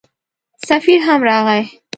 سفیر هم راغی.